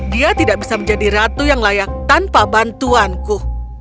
dia tidak bisa menjadi ratu yang layak tanpa bantuanku